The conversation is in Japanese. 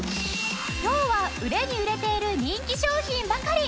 今日は売れに売れている人気商品ばかり！